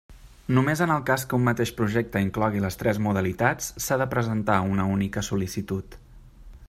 Només en el cas que un mateix projecte inclogui les tres modalitats s'ha de presentar una única sol·licitud.